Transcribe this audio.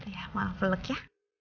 ya mau peluk ya